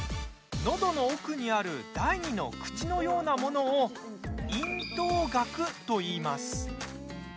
のどの奥にある第２の口のようなものを咽頭顎といいます。